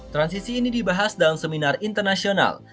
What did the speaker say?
transisi ini dibahas dalam seminar internasional